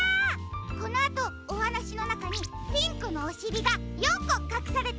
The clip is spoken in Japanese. このあとおはなしのなかにピンクのおしりが４こかくされているよ。